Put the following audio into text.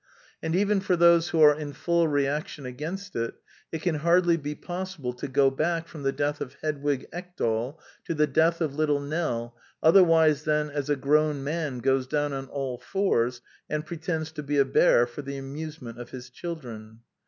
And even for those who are in full reaction against it, it can hardly be possible to go back from the death of Hedwig Ekdal to the death of Little Nell otherwise than as a grown man goes down on all fours and pre tends to be a bear for the amusement of hid children.